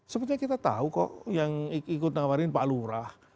sepertinya kita tahu kok yang ikut nawarin pak lurah